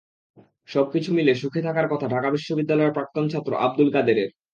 সবকিছু মিলে সুখে থাকার কথা ঢাকা বিশ্ববিদ্যালয়ের প্রাক্তন ছাত্র আবদুল কাদেরের।